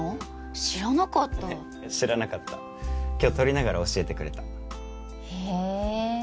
知らなかったねっ知らなかった今日撮りながら教えてくれたへえ